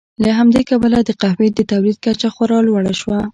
له همدې کبله د قهوې د تولید کچه خورا لوړه شوه.